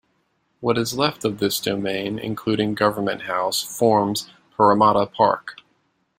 What is left of this domain, including Government House, forms Parramatta Park.